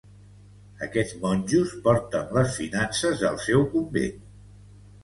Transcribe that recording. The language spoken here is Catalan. Aquests monjos porten les finances del seu convent.